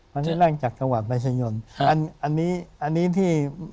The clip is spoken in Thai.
พระที่นั่งจากกระหวัดไปสยนอันนี้อันนี้ที่